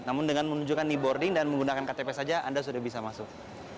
namun dengan menunjukkan e boarding dan menggunakan ktp saja anda sudah bisa masuk